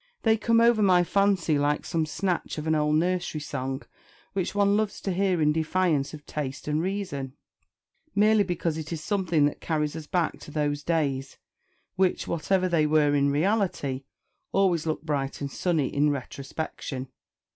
They come over my fancy like some snatch of an old nursery song, which one loves to hear in defiance of taste and reason, merely because it is something that carries us back to those days which, whatever they were in reality, always look bright and sunny in retrospection.